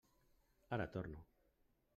Ara torno.